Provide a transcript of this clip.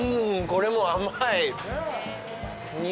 これも甘い！